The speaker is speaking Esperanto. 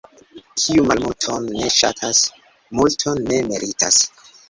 Kiu malmulton ne ŝatas, multon ne meritas.